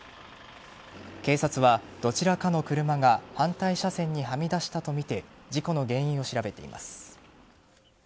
警察はどちらかの車が反対車線にはみ出したとみて事故の原因を調べています。